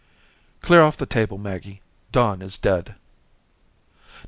"Clear off the table, Maggie. Don is dead."